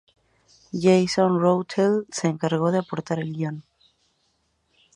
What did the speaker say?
Jayson Rothwell se encargó de aportar el guion.